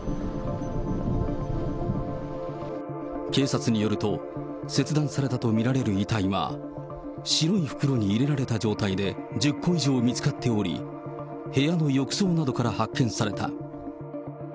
警察によると、切断されたと見られる遺体は、白い袋に入れられた状態で１０個以上見つかっており、部屋の浴槽などから発見された。